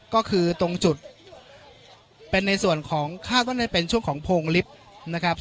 ก็คือตรงจุดเป็นในส่วนของข้าวต้นให้เป็นช่วงของโพงลิฟต์นะครับ